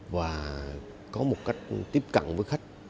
và có một cách tiếp cận với khách